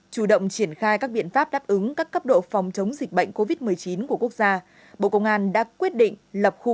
chủ động triển khai các biện pháp đáp ứng các cấp độ phòng chống dịch bệnh covid một mươi chín của quốc gia bộ công an đã quyết định lập khu